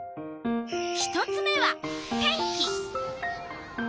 １つ目は天気。